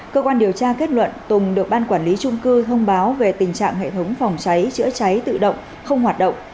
cơ quan điều tra kết luận tùng được ban quản lý trung cư thông báo về tình trạng hệ thống phòng cháy chữa cháy tự động không hoạt động